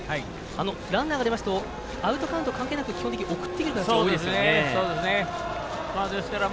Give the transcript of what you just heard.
ランナーが出ますとアウトカウント関係なく送ってくる形が多いですからね。